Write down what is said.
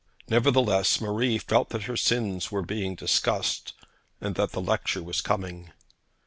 Nevertheless, Marie felt that her sins were being discussed, and that the lecture was coming.